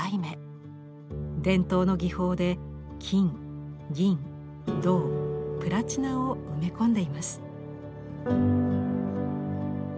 伝統の技法で金銀銅プラチナを埋め込んでいます。